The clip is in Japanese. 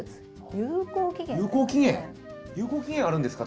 有効期限あるんですか？